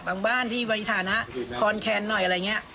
บ้านที่ไว้ฐานะคอนแคนหน่อยอะไรอย่างนี้